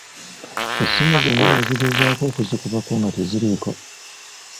Essimu zonna yazigezaako okuzikubako nga teziriiko.